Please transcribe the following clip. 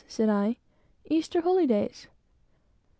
said I, "Easter holydays?"